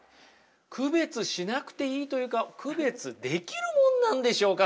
区別しなくていいというか区別できるもんなんでしょうか？